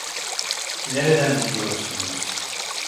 Nereden biliyorsunuz?